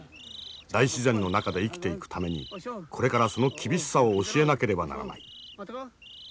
大自然の中で生きていくためにこれからその厳しさを教えなければならない。